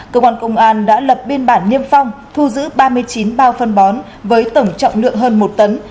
cơ quan công an đã lập biên bản niêm phong thu giữ ba mươi chín bao phân bón với tổng trọng lượng hơn một tấn